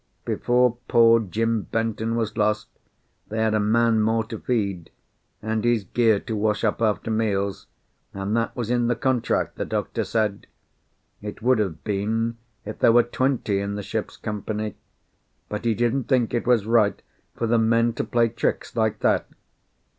Before poor Jim Benton was lost they had a man more to feed, and his gear to wash up after meals, and that was in the contract, the doctor said. It would have been if there were twenty in the ship's company; but he didn't think it was right for the men to play tricks like that.